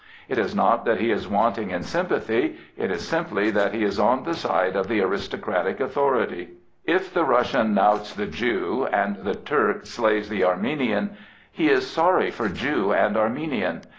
It is not that he is wanting in S5mipathy. It is simply that he is on the side of the aristocratic authority. If the Russian knouts the Jew and the Turk slays the Armenian, he is sorry for Jew and Armenian.